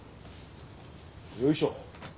よいしょ。